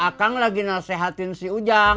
ah kang lagi nasehatin si ujang